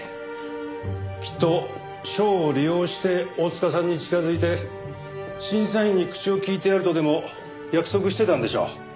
きっと賞を利用して大塚さんに近づいて審査員に口を利いてやるとでも約束してたんでしょう。